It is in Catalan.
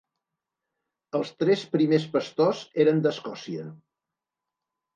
Els tres primers pastors eren d'Escòcia.